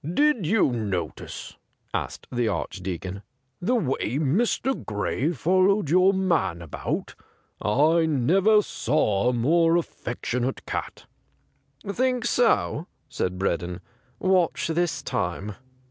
' Did you notice,' asked the Arch deacon, 'the way Mr. Gray followed your man about } I never saw a more affectionate cat.' ' Think so ?' said Breddon. ' Watch this time.'